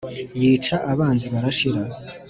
yica abanzi barashira